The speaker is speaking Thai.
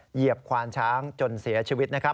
เหยียบควานช้างจนเสียชีวิตนะครับ